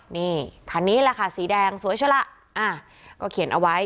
นี่คันนี้แหละค่ะสีแดงสวยใช่ล่ะก็เขียนเอาไว้